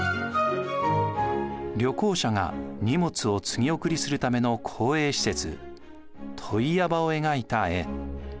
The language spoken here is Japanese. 旅行者が荷物を継ぎ送りするための公営施設問屋場を描いた絵。